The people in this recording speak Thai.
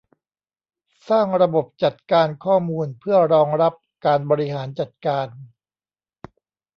สร้างระบบจัดการข้อมูลเพื่อรองรับการบริหารจัดการ